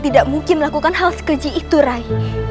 tidak mungkin melakukan hal sekeji itu rai